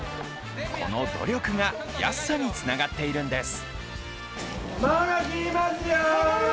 この努力が安さにつながっているんです。